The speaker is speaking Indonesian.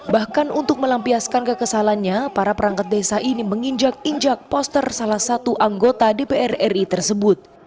bahkan untuk melampiaskan kekesalannya para perangkat desa ini menginjak injak poster salah satu anggota dpr ri tersebut